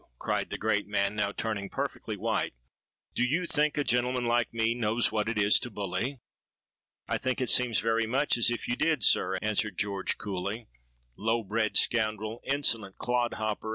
cried the great man, now turning perfectly white: 'do you think a gentleman like me knows what it is to bully?'—'I think it seems very much as if you did, sir,' answered George coolly.—'Low bred scoundrel, insolent clod hopper!'